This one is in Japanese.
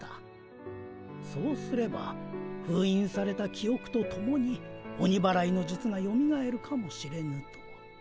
そうすればふういんされた記おくとともに鬼祓いのじゅつがよみがえるかもしれぬと。